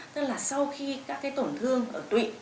tức là sau khi các tổn thương ở tụy